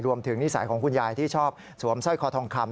นิสัยของคุณยายที่ชอบสวมสร้อยคอทองคำ